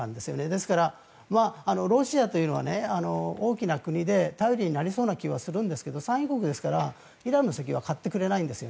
ですから、ロシアというのは大きな国で頼りになりそうな気はするんですが産油国ですからイランの石油は買ってくれないんです。